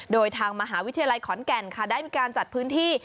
โดยทางมหาวิทยาลัยขอนแก่นค่ะได้มีการจัดพื้นที่